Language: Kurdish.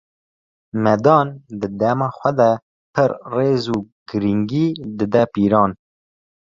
Medan, di dema xwe de pir rêz û girîngî dide pîran.